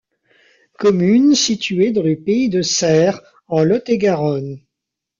Commune située dans le Pays de Serres, en Lot-et-Garonne.